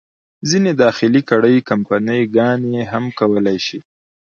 ځینې داخلي کړۍ، کمپني ګانې هم کولای شي.